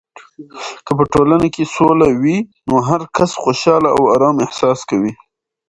که په ټولنه کې سوله وي، نو هرکس خوشحال او ارام احساس کوي.